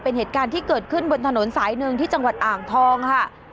เป็นเหตุการณ์ที่เกิดขึ้นบนถนนสายหนึ่งที่จังหวัดอ่างทองค่ะ